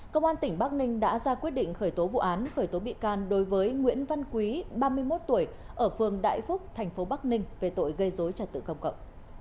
công an tỉnh bắc ninh đã ra quyết định khởi tố vụ án khởi tố bị can đối với nguyễn văn quý ba mươi một tuổi ở phường đại phúc thành phố bắc ninh về tội gây dối trật tự công cộng